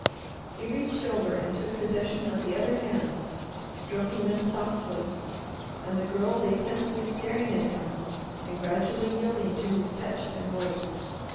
He reached over and took possession of the other hand, stroking them softly, and the Girl lay tensely staring at him and gradually yielding to his touch and voice.